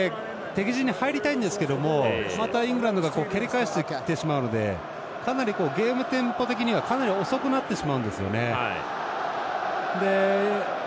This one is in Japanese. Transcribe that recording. なのでキックで敵陣に入りたいんですけどまたイングランドが蹴り返してきてしまうのでゲームテンポ的に遅くなってしまうんですよね。